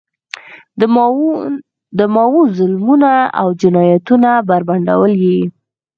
د ماوو ظلمونه او جنایتونه بربنډول یې.